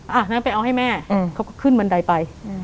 อ่ะงั้นไปเอาให้แม่เขาก็ขึ้นบันไดไป